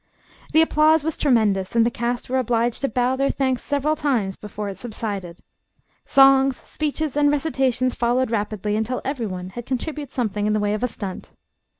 The applause was tremendous and the cast were obliged to bow their thanks several times before it subsided. Songs, speeches and recitations followed rapidly until everyone had contributed something in the way of a stunt.